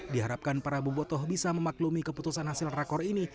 diharapkan para bobotoh bisa memaklumi keputusan hasil rakor ini